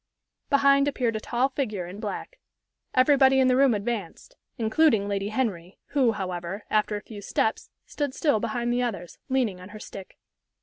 Behind appeared a tall figure in black. Everybody in the room advanced, including Lady Henry, who, however, after a few steps stood still behind the others, leaning on her stick.